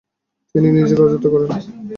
তিনি নিজেই রাজত্ব করেন।